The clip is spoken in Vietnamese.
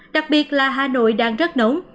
đặc biệt là hà nội đang rất nóng